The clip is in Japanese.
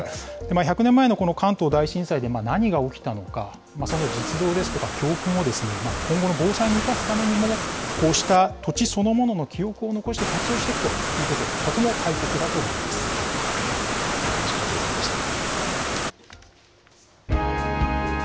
１００年前の関東大震災で何が起きたのか、その実像ですとか、教訓をですね、今後の防災に生かすためにも、こうした土地そのものの記憶を残して活用していくとい高橋解説委員でした。